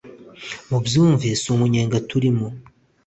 mubyumve si umunyenga turimo